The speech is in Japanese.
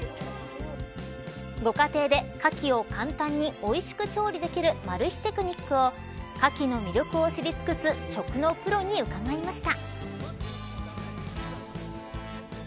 ご家庭で、かきを簡単においしく調理できるマル秘テクニックをかきの魅力を知り尽くす食のプロに伺いました。